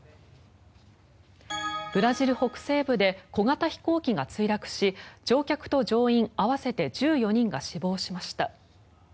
ブラジル北西部で小型飛行機が墜落し乗客と乗員合わせて１４人が死亡しました。